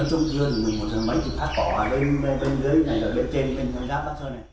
nói chung trưa thì mình một tháng mấy thì phát bỏ ở bên dưới này ở bên trên bên phần giáp bắt sơ này